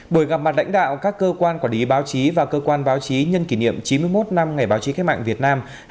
buổi gặp mặt lãnh đạo các cơ quan quản lý báo chí và cơ quan báo chí nhân kỷ niệm chín mươi một năm ngày báo chí khách mạng việt nam